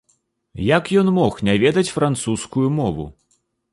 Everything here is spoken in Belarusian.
Як ён мог не ведаць французскую мову?